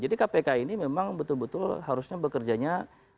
jadi kpk ini memang betul betul harusnya bekerjanya